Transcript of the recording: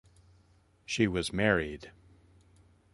She was married.